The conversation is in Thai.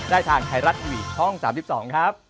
ทางไทยรัฐทีวีช่อง๓๒ครับ